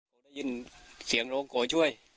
แต่ว่าไม่เห็นคน